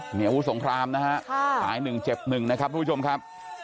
เหนียวผู้สงครามนะฮะตายหนึ่งเจ็บหนึ่งนะครับทุกผู้ชมครับ